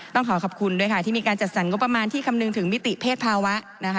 ต้องขอขอบคุณด้วยค่ะที่มีการจัดสรรงบประมาณที่คำนึงถึงมิติเพศภาวะนะคะ